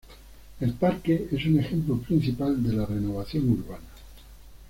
El parque es un ejemplo principal de la renovación urbana.